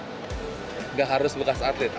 tidak harus bekas atlet